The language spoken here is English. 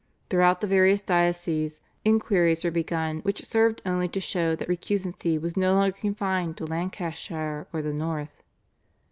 Throughout the various dioceses inquiries were begun which served only to show that recusancy was no longer confined to Lancashire or the north.